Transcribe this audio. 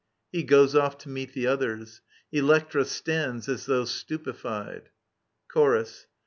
[Hi goes off to meet the others — Elbctra stands as though stupefied. Chorus.